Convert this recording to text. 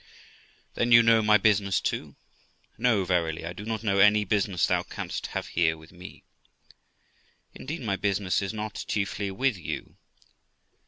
Girl. Then you know my business too? Quaker. No, verily, I do not know any business thou canst have here with me. Girl. Indeed, my business is not chiefly with you. Qu.